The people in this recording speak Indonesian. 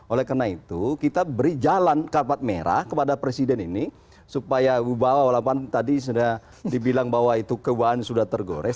oleh karena itu kita beri jalan karpat merah kepada presiden ini supaya wibawa walaupun tadi sudah dibilang bahwa itu kewaan sudah tergores